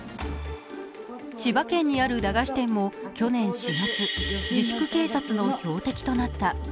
千葉県にある駄菓子店も去年４月、自粛警察の標的となった。